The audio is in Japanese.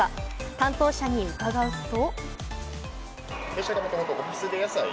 担当者に伺うと。